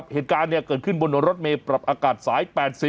เหตุการณ์เกิดขึ้นบนรถเมย์ปรับอากาศสาย๘๐